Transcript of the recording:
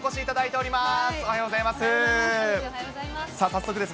おはようございます。